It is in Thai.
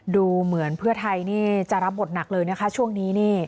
ดูเหมือนเพื่อไทยนี่จะรับบทหนักเลยนะคะช่วงนี้นี่